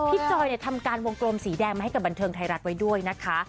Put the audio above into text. จอยทำการวงกลมสีแดงมาให้กับบันเทิงไทยรัฐไว้ด้วยนะคะ